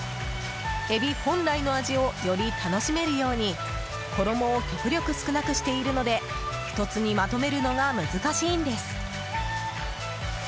エビ本来の味をより楽しめるように衣を極力少なくしているので１つにまとめるのが難しいんです。